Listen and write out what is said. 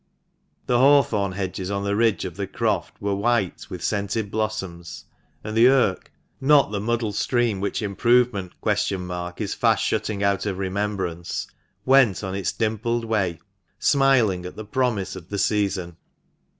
The hawthorn hedges on the ridge of the croft were white with scented blossoms, and the Irk — not the muddled stream which improve ment (?) is fast shutting out of remembrance — went on its dimpled way, smiling at the promise of the season.